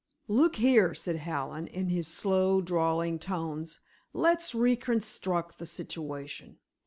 "Look here," said Hallen, in his slow, drawling tones, "let's reconstruct the situation.